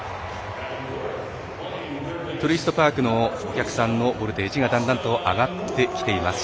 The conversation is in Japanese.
トゥルイストパークのお客さんのボルテージがだんだんと上がってきています。